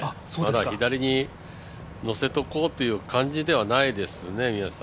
左に乗せておこうという感じではないですよね？